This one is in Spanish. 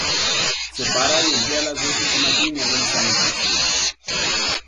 Separa y emplea las dos últimas líneas del Sanctus.